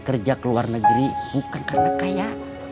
kerja ke luar negeri bukan karena kaya